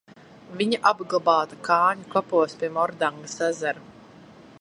Viņa apglabāta Kāņu kapos pie Mordangas ezera.